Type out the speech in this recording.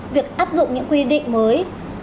việc áp dụng những quy định mới